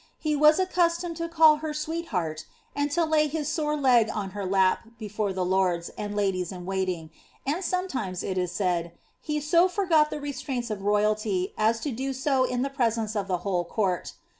He as accustomed to call her ^ sweetheart," and to lay his sore leg on vt lap before the lords, and ladies in waiting ; and sometimes, it is said, i so far forgot the restraints of royalty as to do so in the presence of e whole court.